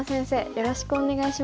よろしくお願いします。